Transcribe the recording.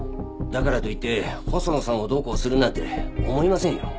だからといって細野さんをどうこうするなんて思いませんよ。